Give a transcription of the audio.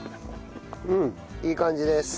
うんいい感じです。